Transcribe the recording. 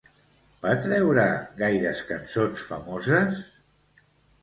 Va treure gaires cançons famoses?